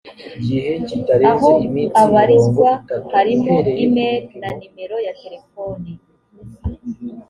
aho abarizwa harimo e mail na nimero ya telefone